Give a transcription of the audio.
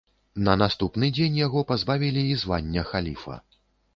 На наступны дзень яго пазбавілі і звання халіфа.